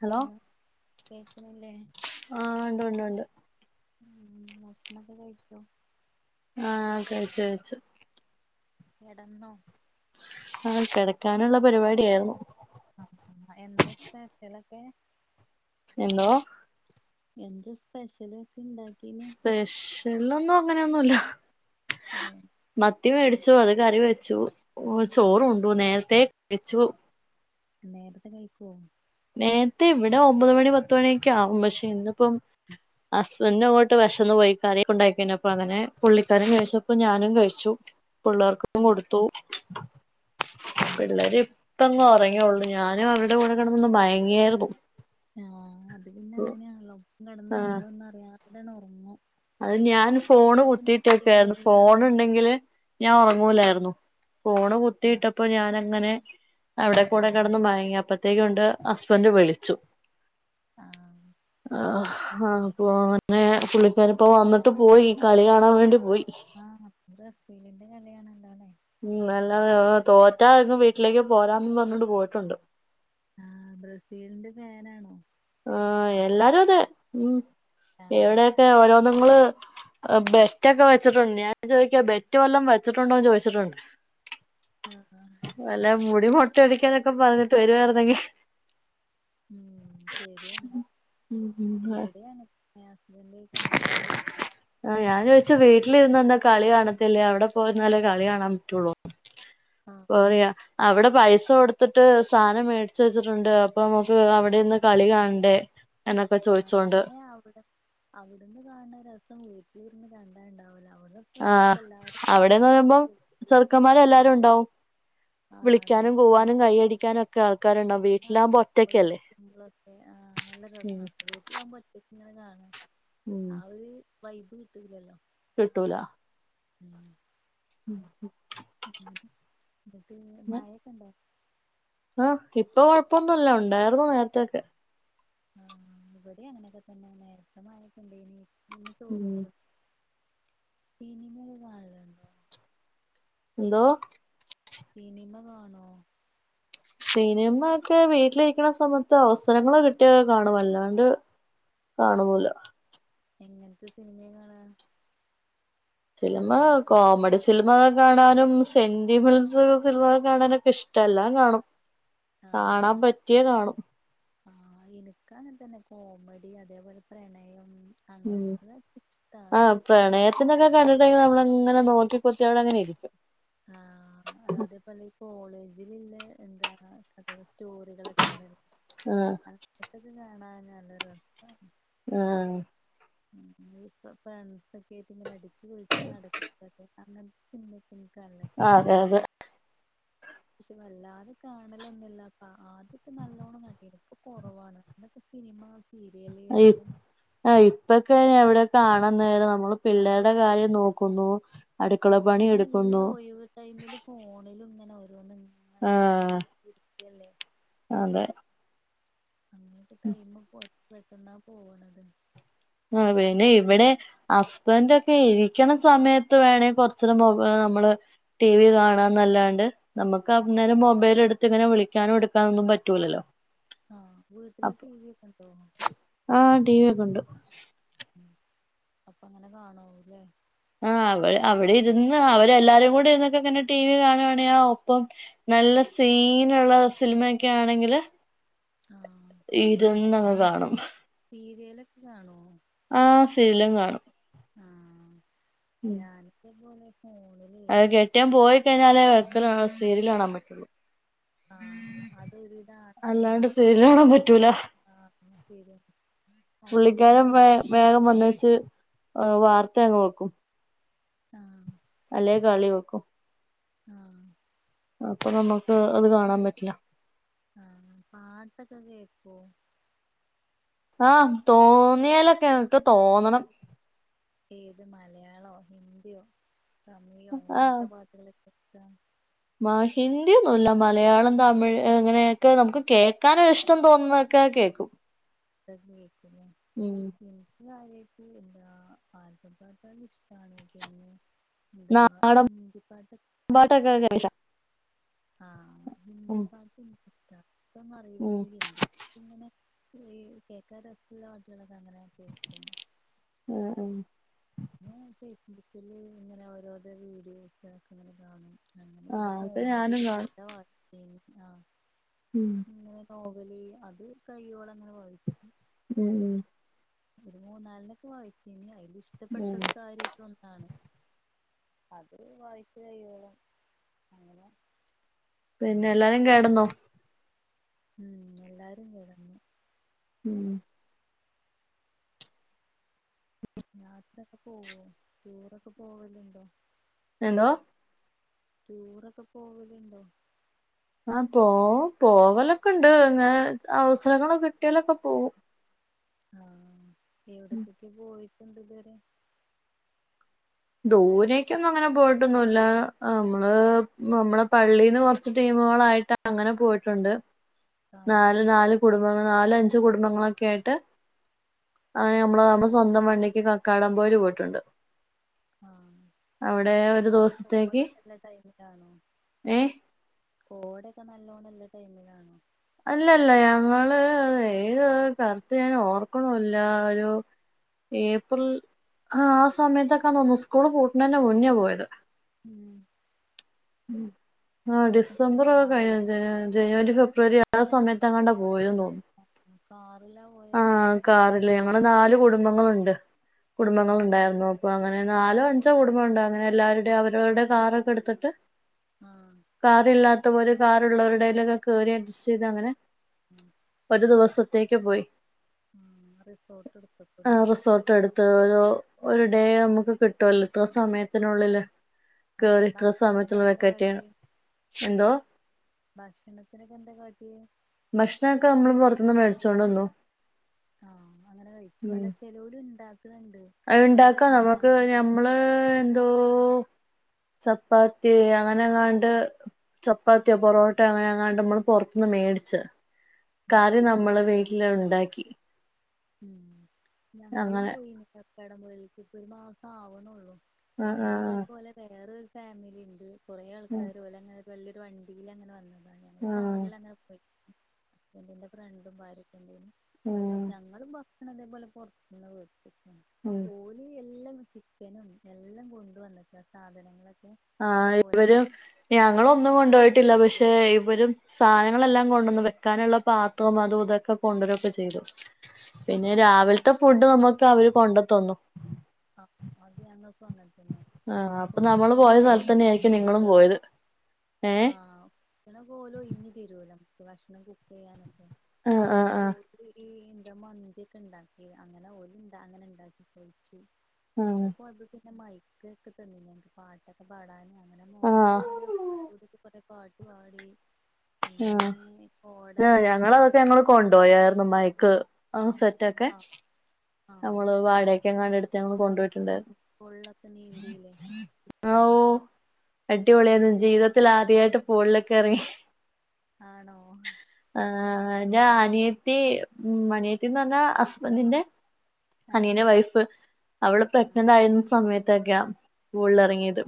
Hello കേക്കുന്നില്ലേ ആ ഉണ്ട്ണ്ട്ണ്ട്. ഉം ഭക്ഷണോക്കെ കഴിച്ചോ? ആ കഴിച്ചു കഴിച്ചു. കെടന്നോ? ആ കെടക്കാനുള്ള പരിപാടിയാരുന്നു. ആ എന്താ സ്പെഷലൊക്കെ? എന്തോ? എന്താ സ്പെഷ്യലൊക്കെ ഇണ്ടാക്കീനെ? എള്ളൊന്നും അങ്ങനെയൊന്നുവില്ല ഏ ത്തി മേടിച്ചു അത് കറി വെച്ചു ആഹ് ചോറുണ്ടു, നേരത്തേ കഴിച്ചു. നേരത്തെ കഴിക്കോ? നേരത്തെ, ഇവിടെ ഒമ്പത് മണി പത്തുമണിയൊക്കെ ആകും പക്ഷെ ഇന്നിപ്പം ഉം പിന്നങ്ങോട്ട് വിശന്ന് പോയി കറീക്കൊണ്ടാക്കിക്കഴിഞ്ഞപ്പോ അങ്ങനെ പുള്ളിക്കാരൻ കഴിച്ചപ്പോ ഞാനും കഴിച്ചു. പിള്ളേർക്കിപ്പം ആഹ് കൊടുത്തു. പിള്ളേരിപ്പം അങ്ങൊറങ്ങിയേള്ളൂ ഞാനും അവരടെ കൂടെക്കെടന്നു ന്ന് മയങ്ങിയാരുന്നു. ആ അത് പിന്നെ അങ്ങനെയാണല്ലോ ഒപ്പം കിടന്ന ആഹ് നമ്മളൊന്ന് അറിയാതന്നെയങ്ങോറങ്ങും. അത് ഞാൻ ഫോണ് കുത്തിട്ടേക്കായിരുന്നു, അങ്ങനെയാണ് ഫോണുണ്ടെങ്കില് ഞാൻ ഉം ഉറങ്ങൂലായിരുന്നു, ഫോണ് ആഹ് കുത്തിയിട്ടപ്പോ ഞാനങ്ങനെ അവിടെ കൂടെ ആഹ് കിടന്ന് മയങ്ങിയപ്പത്തേക്കു ഒണ്ട് ഹസ്ബന്റ് വിളിച്ചു. ആഹ് ആ ആ ഉം വന്നട്ട് പോയീ കളി കാണാൻ വേണ്ടി പോയി ആഹ് ഇന്ന് ബ്രസീലിൻ്റെ കളിയാണ് ഉം നല്ലതാ തോറ്റാ ഇങ്ങ് വീട്ടിലേക്ക് പോരാംന്നും പറഞ്ഞോണ്ട് പോയിട്ടൊണ്ട് ആഹ് ബ്രസീലിന്റെ ഫാനാണോ ആഹ് എല്ലാരു അതേ ഉം ആഹ് ഇവിടെയൊക്കെ ഓരോന്നുങ്ങള് അ് ബെറ്റൊക്കെ വച്ചിട്ടുണ്ട് ഞാൻ ചോദിക്കുവാ ബെറ്റ് വല്ലോം വെച്ചിട്ടുണ്ടോന്ന് ചോദിച്ചിട്ടുണ്ട് ആഹാ ടി മൊട്ടയടിക്കാനൊക്കെ പറഞ്ഞിട്ട് വരുവാർന്നെങ്കി ഉം ശരിയാണ് ഉം ഉം ഇവടേം അങ്ങ നെയാ എന്തെ കളി കാണാൻ പോയിരിക്കും ച്ചു വീട്ടിലിരുന്നെന്താ കളി കാണത്തില്ലേ അവടെ പോയിരുന്നാലേ കളി കാണാൻ പറ്റുവൊള്ളോന്ന് പോറിയ അവിടെ പൈസ കൊടുത്തിട്ട് സാനം മേടിച്ച് വെച്ചിട്ടുണ്ട് അപ്പ നമുക്ക് അവിടെ ഇര്ന്ന് കളി കാണണ്ടേ എന്നൊക്കെ ആഹ് ചോദിച്ചോണ്ട് പിന്നെ അവിടെ അവിടുന്ന് കാണണ രസം വീട്ടീന്ന് കണ്ടാ ഇണ്ടാവൂല അവടെ ആ ഫ്രണ്ട്സെല്ലാരും കൂടി അവിടെന്ന് അടിച്ച് പറയുമ്പം പൊളിച്ച് അങ്ങനെ കാണ്ആ വിളിക്ക്യാനും കൂവാനും കൈയടിക്കാനും ഒക്കെ ആൾക്കാരുണ്ടാവും വീട്ടിലാവുമ്പ ഒറ്റയ്ക്കല്ലേ ബോളടിക്കുമ്പോളൊക്കെ ആഹ് നല്ല രസാ വീട്ടിലാവുമ്പോ ഒറ്റക്കിങ്ങനെ കാണ് ആ ഒരു വൈബ് കിട്ടൂലല്ലോ കിട്ടൂലാ ഉം ഉം എന്ന് എന്നട്ട് മയെക്ക ഇണ്ടോ ആഹ് ഇപ്പൊ കൊഴപ്പൊന്നുല്ല ഉണ്ടായിരുന്നു നേരത്തെയൊക്കെ ആഹ് ഇവടേ അങ്ങനൊക്കെ തന്നെ നേരത്തെ മഴയൊക്കെ ഇണ്ടേനീ ഇന്ന് ഉം തോർന്ന്ക്ക്ണ് സിനിമേക്ക കാണല്ണ്ടോ എന്തോ സിനിമ കാണോ സിനിമ ഒക്കെ വീട്ടിലിരിക്ക്ണ സമയത്ത് അവസരങ്ങള് കിട്ടിയ കാണും അല്ലാണ്ട് കാണൊന്നുല്ല എങ്ങനത്തെ സിനിമയാ കാണ് ആ സിലിമ കോമഡി സിൽമ കാണാനും സെന്റിമെൻസ് സിൽമ കാണാനൊക്ക് ഇഷ്ടെല്ലാം കാണും കാണാൻ ആഹ് പറ്റിയ കാണും ആഹ് എനിക്കങ്ങനെ തന്നെ കോമഡി അതേപോലെ പ്രണയം ഉം അങ്ങനത്തതൊക്കെ ഇഷ്ടാണ് ആഹ് പ്രണയത്തിന്റ കര് കണ്ടിട്ട്ണ്ടെങ്കി നമ്മളങ്ങനെ നോക്കിക്കുത്തി അവിടങ്ങനെ ഇരിക്കും ആഹ് അതേപോലെ ഈ കോളേജിലിള്ള എന്താ കഥകൾ സ്റ്റോറികളക്കിണ്ട് ആ അത് അതൊക്കെ കാണാൻ നല്ല രസാണ് ആഹ് ഇന്ന് ഇപ്പ ഫ്രെണ്ട്സൊക്കേയിട്ടിങ്ങനെ അടിച്ചു പൊളിച്ച് നടക്ക്ണതൊക്കെ അങ്ങൻത്തെ സിനിമയൊക്കെ എനിക് അതെയതെ പക്ഷെ വല്ലാതെ കാണലൊന്നുല്ലപ്പാ ആദ്യൊക്കെ നല്ലോണം കണ്ടിരുന്നു ഇപ്പൊ കൊറവാണ് ഇന്നൊക്ക് സിനിമാ അയിപ് ആഹ് ഇപ്പെക്ക് ഇപ്പയിനെവിടെ കാണാൻ നേരം നമ്മള് പിള്ളേരുടെ കാര്യം നോക്കുന്നു അടുക്കള ആഹ് പണി പിന്നെ എല്ലാ എടുക്കുന്നു ഒയിവ് ടൈമിലും ഫോണിലുങ്ങനെ ഓരോന്ന്ങ്ങ് ആഹ് അതെ അങ്ങനൊക്കെ ടൈമ് പൊയ് പെട്ടെന്നാ പോണത് ആ പിന്നെ ഇവടെ ഹസ്ബൻഡൊക്കെ ഇരിക്കണ സമയത്ത് വേണേ കൊറച്ചേരം മൊബൈ നമ്മള് ടി വി കാണാന്നല്ലാണ്ട് നമുക്ക് അന്നേരം മൊബൈടുത്ത് ഇങ്ങനെ വിളിക്കാനോ എടുക്കാനോ ഒന്നും പറ്റൂലല്ലോ ആ വീട്ടില് അപ്പൊ ടി വി ഒക്കെ ണ്ടോ ആ ടി വി ഒക്കെ ഉണ്ട് അപ്പൊ അങ്ങനെ കാണാവുല്ലേ ആ അവ അവിടെ ഇരുന്ന് അവരെ എല്ലാരും കൂടെ ഇരുന്നൊക്കെ ഇങ്ങനെ ടി വി കാണുകവാണെ ഒപ്പം നല്ല സീനുള്ള സിലിമയൊക്കെ ആണെങ്കില് ആഹ് ഇരുന്നങ്ങ് കാണും സീര്യാലൊക്കെ കാണോ ആ സീരിലും കാണും ആ ഉം ഞാനിതേ പോലെ ഫോണില് അത് ഈ കെട്ടിയോൻ പോയി കഴിഞ്ഞാലേ വക്കല് സീരിയല് കാണാൻ പറ്റുള്ളൂ ആ അതൊരുവിധ അല്ലാണ്ട് ആണുങ്ങളൊന്നും സീരിയല് കാണാൻ പറ്റൂല ഒന്ന ആ ശരി പുള്ളിക്കാരൻ വേ വേഗം വന്ന വച്ച് വാർത്ത അങ്ങ് വെക്കും ആ അല്ലേ കളി വെക്കും ആ അപ്പൊ നമുക്ക് അത് കാണാൻ പറ്റില്ല ആ പാട്ടൊക്കെ കേക്കോ ആ തോന്നിയാലൊക്കെ എനിക്ക് തോന്നണം ഏത് മലയാളോ ഹിന്ത്യോ തമിയോ എങ്ങനത്തെ പാട്ടുകള കേക്കാ മാ ഹിന്ദിയൊന്നൊല്ല മലയാളം തമിഴ് അങ്ങനെയൊക്കെ നമുക്ക് കേക്കാനൊരിഷ്ടം തോന്നുന്നതൊക്കെ കേ കേക്കും തൊക്കെ കേക്കും ലേ ഉം ഇഞ്ഞി ആരേക്കും ഇല്ലാ ആൽബപ്പാട്ട് ഇഷ്ടാണ്‌ പിന്നെ ന്താ നാടൻ ഹിന്ദി പാട്ടൊ പാട്ടൊക്കെ ആ ഉം ഹന്ദിപ്പാട്ട് ഉം തൊന്നറിയില്ലെങ്കിലും ഹിന്ദി ഇങ്ങനെ ഇത് കേക്കാൻ രസൊള്ള പാട്ടൊളൊക്കെ അങ്ങനെ കേക്കുന്നു ഉം ഉം ഉം ഫേസ്ബുക്കില് ഇങ്ങനെ ഓരോരോ വീഡിയോസ് ഒക്കെ ഇങ്ങനെ കാണും അങ്ങനെ പിന്നെ ആഹ് അത് ഞാനും ഫോണിലൊരു കാണും കഥ വായിച്ചീന്നു ആ ഉം നോവല് അത് കയ്യോളം ഉം ഉം ഒരു മൂന്നാലെനൊക്കെ വായിച്ചീനി ഉം അയിലിഷ്ടപ്പെട്ടത് കാര്യായിട്ട് ഒന്നാണ് അത് വായിച്ച്കയ്യോളും അങ്ങനെ പിന്നെ കണ്ട് എല്ലാരും കെടന്നോ ഉം എല്ലാരും കെടന്നു ഉം നേർത്തൊക്കെ പോവോ ടൂറൊക്കെ പോവല്ണ്ടോ എന്തോ ടൂറൊക്കെ പോവലുണ്ടോ ആ പോ പോവലൊക്കെണ്ട് ന്നേ അവസരങ്ങള് കിട്ടിയാലൊക്കെ പോവും ആ എവിടക്കൊക്കെ പോയിട്ടിണ്ടിതുവരെ ദൂരേക്കൊന്നും അങ്ങനെ പോയിട്ടൊന്നൂല്ല നമ്മള് നമ്മളെ പള്ളീന്ന് കൊറച്ച് ടീം മോളായിട്ട് അങ്ങനെ പോയിട്ടുണ്ട് ആഹ് നാല് നാല് കുടുംബങ്ങള് നാല അഞ്ച് കുടുംബങ്ങളൊക്കെ ആയിട്ട് അയെ നമ്മള നമ്മൾ സ്വന്തം വണ്ണിക്ക് കക്കാടം പോയേല് പോയിട്ടൊണ്ട് ആ നല്ല ദിവസത്തേക്ക് കോടല്ലെള്ള ടൈമിലാണോ ഏ കോടെക്കെ നല്ലോണല്ല ടൈമിലാണോ അല്ലല്ല ഞങ്ങള്ള് ഏത് കറുത്ത് ഞാൻ ഓർക്കണല്ല ഒരു ഏപ്രിൽ ആ ആ സമയത്തൊക്കെ ഒന്ന് സ്കൂള് പൂട്ട തന്നെ മുന്നേ പോയത് ഉം ആ ഡിസംബറൊക്കെ കഴിഞ്ഞ് കാറിലോ ജനു ജനുവരി ഫെബ ഇവര് ആ സമയത്ത്ങ്ങാണ്ട പോയിരുന്ന് തോന്ന്ണു കാറിലാ പോയെ കാറില് ഞങ്ങള് നാല് കുടുംബങ്ങളുണ്ട് ആഹ് കുടുംബങ്ങളുണ്ടായിരുന്നു അപ്പൊ അങ്ങനെ നാലോ അഞ്ചോ കുടുംബണ്ട് അങ്ങനെ എല്ലാവരുടെയും അവരവരുടെ കാറൊക്കെ എടുത്തിട്ട് ആഹ് കാറില്ലാത്ത പോലെ കാറുള്ളവരുടെലൊക്കെ കറി അഡ്ജസ്റ്റ് ചെയ്ത് അങ്ങനെ [inaudible] ഒരു ദിവസത്തേക്ക് പോയി ആഹ് റിസോർട്ട് ആ എടുത്തക്കുല്ലേ റിസോട്ട് എടുത്ത് [unintelligible] ഒരു ഡേ നമുക്ക് കിട്ടുവല്ല ഇത്ര സമയത്തിനുള്ളില് അതെ ബാക്കി ആ ക്കട്ടിയണം എന്തോ ഭക്ഷണത്തിനൊക്കെ എന്താ കാട്ടിയെ പൊറത്ത്ന്ന് വെടിച്ചോണ്ടിന്നു ആഹ അങ്ങനെ കഴിക്ക അല്ല ചെലോര് ഇണ്ടാക്കി അത് ഇണ്ടാക്കാ നമുക്ക് ഞമ്മള് എന്തോ ചപ്പാത്തി അങ്ങനെങ്ങാണ്ട് ചപ്പാത്തിയോ പൊറോട്ടോയോ അങ്ങനെ അങ്ങാണ്ട് നമ്മള് പൊറത്തൂന്ന് മേടിച്ച് ഉം കാര്യം നമ്മള് വീട്ടില് ഇണ്ടാക്കി ഉം ഞങ്ങളും പോയിനി കക്കാടം പോയേല്ക്ക് ഇപ്പൊ ഒരു മാസം ആവുണുള്ളു ആഹ് ആഹ് അന്ന്തേപോലെ വേറെരു ഫാമിലി ഇണ്ട് കൊറെേ ആഹ് ആൾക്കാര് ഓലങ്ങനെ വല്ല്യയൊരു വണ്ടില് അങ്ങനെ വന്നതാണ് ഞങ്ങൾ ആഹ് കാറിൽ അങ്ങനെ പോയി ഫ്രണ്ടിന്റെ ഫ്രണ്ടും ഭാര്യക്കേം ണ്ടായിരുന്നു ഉം അത് ഭക്ഷണതേ പോലെ പൊറത്ത്ന്നാ വേടിച്ച് ഉം ഓല് എല്ലാം ചിക്കനും എല്ലാം കൊണ്ടുവന്ന്ക്കാ സാധനങ്ങളൊക്കെ ആ എന്നിട്ട് ഓലന്നെ ഇവരും ഞങ്ങള് ഞങ്ങക്കവിടെ ഒന്നും കിച്ചൺ ഒരുക്കി കൊണ്ടുപോയിട്ടില്ല പക്ഷെ തരുവല്ലോ ഇവരും സാധനങ്ങളെല്ലാം കൊണ്ട വെക്കാനുള്ള പാത്റും അതും ഇതൊക്കെ കൊണ്ടുവരെക്കെ ചെയ്തു ആ പിന്നെ രാവില്ത്തെ ഫുഡ് നമുക്ക് അവര് കൊണ്ടത്തന്നു ആ അത് നങ്ങക്കും അങ്ങനെതന്നെ ആഹ അപ്പൊ നമ്മള് പോയ സ്ഥലത്തന്നെ ഒരുക്കി ആയിരിക്കും നിങ്ങളും തരുവല്ലോ പോയത് ഏഹ് ആഹ് ചണ പോലും ഇഞ് തരുൂല ഭക്ഷണം കുക്കിയ്യാനൊക്കെ ആഹ് ആഹ് അങ്ങനെ ഓരി മന്തിയൊക്കെ ഇണ്ടാക്കി അങ്ങനെ ഓലും അങ്ങനെ ഇണ്ടാക്കി ചോയിച്ചു ആഹ് ഞങ്ങള് പോയപ്പോ പിന്നെ മൈക്ക് ഒക്കെ തന്നിഞ്ഞു പാട്ടൊക്കെ പാടാന ആഹ പാട്ടു പാടി അങ്ങനെ കോട ആ നിന്ന് അവിടെ ഞങ്ങള് കൊറേ അതൊക്കെ ഞങ്ങള് കൊണ്ടോയാർന്നു മൈക്ക് ആ സെറ്റ് ആഹ് [unintelligible] ആഹ് നമ്മള് വാടക്കെങ്ങാടെടുത്ത് ഞങ്ങള് കൊണ്ടോയിട്ടുണ്ടായിരുന്നു സ്വിമ്മിംഗ് പൂളിലൊക്കെ നീന്തീല്ലേ ഓ കുട്ട്യാൾക്ക് അടിപൊളിയാര്ന്ന് ആഹ് ജീവിതത്തിൽ ആദ്യായിട്ട് പൂളിലെക്കെറങ്ങി ആണോ ആ ന്റെ അനിയത്തി ഉം അനിയത്തിന്ന് പറഞ്ഞാ ഹസ്ബന്റിന്റെ ആഹ് അനിയന്റെ വൈഫ് അവള് ആഹ് പ്രഗ്നന്റ് ആയിരുന്ന സമയത്ത് [unintelligible] പൂളിലറങ്ങിയത്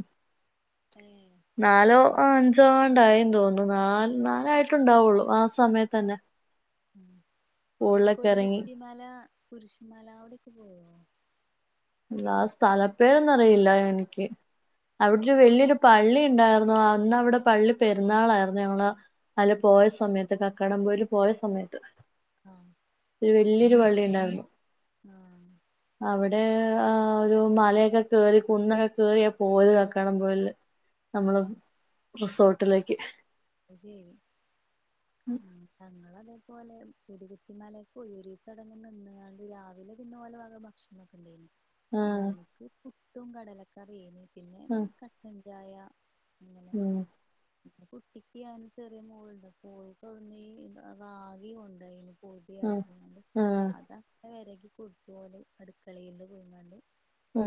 ഏഹ് നാലോ ആ അഞ്ചോണ്ടായി തോന്നുണു നാല് നാലായിട്ട്ണ്ടാവുള്ളു ആ സമയത്ത തന്നെ കൊടികുത്തിമാല കുരിശുമല അവിടെക്കെ പോവോ ഇല്ലാ സ്ഥലപ്പേരന്നറിയില്ല എനിക്ക് അവിടൊരു വല്ലിയൊരു പള്ളി ഇണ്ടാർന്നു അന്നവിടെ പള്ളി പെരുന്നാളാരുന്നു ഞങ്ങള് അല്ല പോയ സമയത്ത് കക്കടം പോയെല് പോയ സമയത്ത് ആഹ് ഒരു വലിയൊരു പള്ളി ഉണ്ടായിരുന്നു ആഹ് അവിടെ ആ ഒരു മലയൊക്കെ കേറി കുന്നൊക്കെ കേറിയ പോയത് കക്കാണംപോയല് നമ്മള് ആഹ് റിസോർട്ടിലേക്ക് [unintelligible] ഇപ്പോലെ കുടികുത്തി മലേക്കോയി. ഒരീസം അവിടെ നിന്ന്കാണ്ട് രാവിലെ പിന്നെ ഓല ഭക്ഷണൊക്കെണ്ടേനി ആഹ്, ഞങ്ങക്ക് പുട്ടും കടലക്കറിയേനി, പിന്നെ കട്ടൻചായ ഹ്മ്മ് കുട്ടിക്ക്യാണ് ചെറിയ മോളുണ്ട്. അപ്പോ ഓൾക്കവിടുന്നീ ഈ റാഗി കൊണ്ടോയിനി പൊടി ആഹ് ആക്കിയാണ്ട്, ആഹ് അതപ്പ വെരകി കൊടുത്തോളും അടുകളേല് നിന്നാണ്ട്. ആഹ്.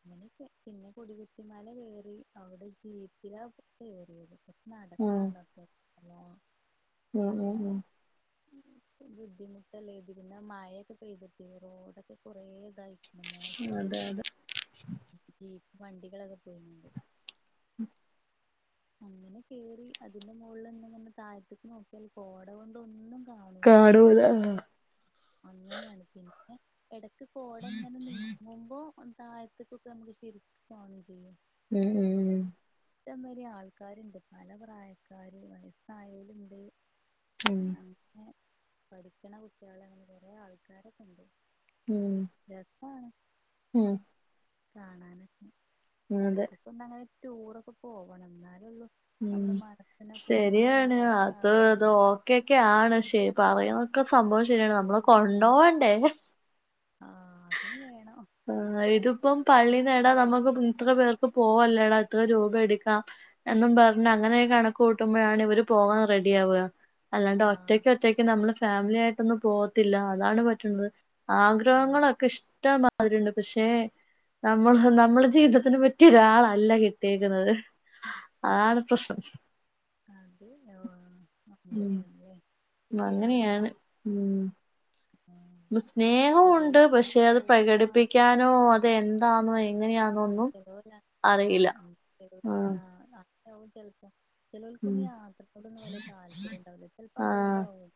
അങ്ങനെയൊക്കെ, പിന്നെ കൊടികുത്തിമല കേറി അവിടുന്ന് ജീപ്പിലാ കേറിയത്. പ നടക്കാണ്ടോപ്പൊ [unintelligible] ഹ്മ്മ്, ഹ്മ്മ്, ഹ്മ്മ് [inaudible] ബുദ്ധിമുട്ടല്ലേ ഇത്, പിന്നെ മഴക്കെ പെയ്തിട്ട് റോഡൊക്കെ കുറേ ഇതായി അതെ, അതെ ജീപ്പ്, വണ്ടികളൊക്കെ പോയികാണ്ട് [inaudible] അങ്ങനെ കേറി അതിന്റെ മോള്നിന്നിങ്ങനെ താഴത്ത്ക്ക് നോക്കിയാല് കോട കൊണ്ടൊന്നും കേടു [unintelligible] ആഹ്. അങ്ങനെയാണ്. പിന്നെ എടക്ക് കോടങ്ങനെ നീങ്ങുമ്പോ ഒന്ന് താഴത്ത്ക്കൊക്കെ നമുക്ക് ശെരിക്കും കാണും ചെയ്യും ഹ്മ്മ്, ഹ്മ്മ് ഹ്മ്മ് ഇഷ്ട്ടംമാരി ആൾക്കാര്ണ്ട്. പല പ്രായക്കാര് വയസ്സായോല്ണ്ട്. ഉം പിന്നെ [unintelligible] പഠിക്ക്ണ കുട്ടിയേള്, അങ്ങനെ കൊറെ ആൾക്കാരൊക്കെണ്ട്. ഹ്മ്മ് [inaudible] ഹ്മ്മ് കാണാനൊക്കെ എടക്കൊക്ക ങ്ങനെ ടൂറൊക്കെ പോവണം ഇ ന്നാലേള്ളൂ ഉം ശരിയാണ് റിലാക്സ് അത് ആവാൻ അത് ഓക്കെൊക്കെ ണ് പറയുന്നൊക്കെ സംഭവം ശരിയാണ് നമ്മളെ കൊണ്ടോവണ്ടേ ആ അതും വേണം ആഹ് ഇത് ഇപ്പം പള്ളിടാ വടെ മ്മക്ക് ഇത്ര പേർക്ക് പോവല്ലടാ ഇത്ര രൂപ എടുക്കാം എന്നും പറഞ്ഞ അങ്ങനെ കണക്ക് കൂട്ടുമ്പോഴാണ് ഇവര് പോകാൻ റെഡിആവാ അല്ലാണ്ട് ആ ഒറ്റക്ക് ഒറ്റക്ക് നമ്മള് ഫാമിലി ആയിട്ടൊന്നും പോകത്തില്ല അതാണ് പറ്റണത് ആ ആഗ്രഹങ്ങളൊ ഷ്ട്ട മാതിരിണ്ട് പക്ഷേ നമ്മള് നമ്മുടെ ജീവിതത്തിന് പറ്റിയരാളല്ല കിട്ടിയേക്ക്‌ന്നത് അആ ണ് പ്രശ്നം അ അത് ന ഉം വ അങ്ങനെയാണ് ഉം ആ സ്നേഹം ഉണ്ട് ചിലവർക്ക് പക്ഷെ അത് ഇഷ്ടാവും ആ പ്രകടിപ്പിക്കാനോ അത് എന്താന്നോ എ ആഹ് ചെലോല് അങ്ങനെ ആവും ആ അങ്ങനെ ആവും ചെലപ്പോ. ചിലോല്ക്ക് ഉം ഇനി യാത്രത്തോടൊന്നും വലിയ താല്പര്യം ഉണ്ടാവില്ല ചിലപ്പോ ആ അതുകൊണ്ടാവും.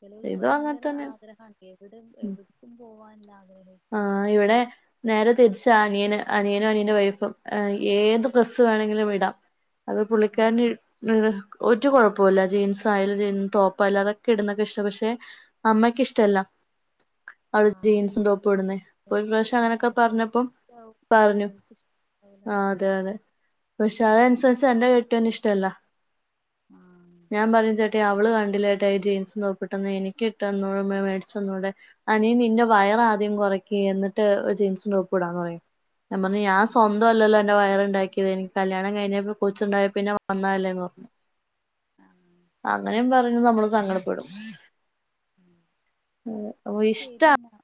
ചിലവർക്ക് ഇതും അങ്ങനെ ഭയങ്കര തന്നെ ആഗ്രഹാണ് എവിട എവിടുക്കും പോവാന്. ആഹ് ഇവിടെ നേരേ തിരിച്ച അനിയന അനിയനും അനിയന്റെ വൈഫും ഏത് ഡ്രസ്സ് വേണമെങ്കിലും ഇടാം അത് ആ പുള്ളിക്കാരന് ഏഹ്. ഒരു കുഴപ്പില്ല ജീൻസ് ആയാലും ടോപ്പ് ആയാലും അതൊക്കെ ഇടുന്നൊക്കെ ഇഷ്ടാ പക്ഷെ അമ്മയ്ക്ക് ഇഷ്ട അല്ല. അവൾ ആ ജീൻസ് ടോ പെടുന്നെ ഒരു ചിലർക്ക് പ്രാവശ്യം അങ്ങനെയൊക്കെ അതങ്ങനെ ചിലർക്ക് പറഞ്ഞപ്പം ഇഷ്ടാവും പറഞ്ഞു ചിലർക്ക് ഇഷ്ടാവൂല ആഹ് അതെ അതെ. പക്ഷെ ഉം അതനുസരിച്ച് എന്റെ കേട്യോന്ന് ഇഷ്ടമല്ല ഞാൻ പറയും ചേട്ട അവള് കണ്ടില്ലാട്ട ഈ ജീൻസും ടോപ്പിട്ടൊന്നും എനിക്കിട്ടന്നൂടമ്മേ മേടിച്ചന്നൂടെ അയിന് നിന്റെ വയറാദ്യം കുറക്ക് എന്നിട്ട് ജീൻസും ടോപ്പും ഇടാ പറയും ഞാൻപറഞ്ഞു ഞാൻ ആഹ് സ്വന്തൊഅല്ലല്ലോ എന്റെ വയറ്ണ്ടാക്കി എനിക്ക് കല്യാണം കഴിഞ്ഞപിന്നെ കൊച്ചുണ്ടായ പിന്നെ വന്നാല്ലേന്ന്പറഞ്ഞു അങ്ങനെയും പറഞ്ഞ് നമ്മള് സങ്കടപ്പെടും എന്നാ ഓ ശരി ഇഷ്ടാ എന്നാ